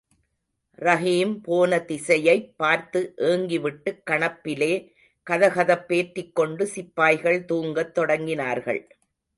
ரஹீம் போன திசையைப் பார்த்து ஏங்கிவிட்டுக் கணப்பிலே கதகதப்பேற்றிக் கொண்டு சிப்பாய்கள் தூங்கத் தொடங்கினார்கள்.